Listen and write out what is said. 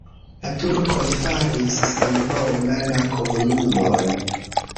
La turkoj faris senhoma la komunumon.